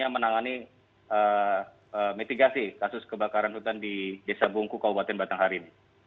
mitigasi kasus kebakaran hutan di desa bungku kabupaten batang hari ini